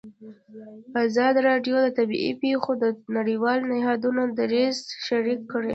ازادي راډیو د طبیعي پېښې د نړیوالو نهادونو دریځ شریک کړی.